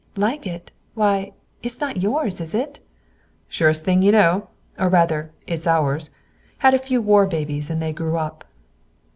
"Like it? Why, it's not yours, is it?" "Surest thing you know. Or, rather, it's ours. Had a few war babies, and they grew up."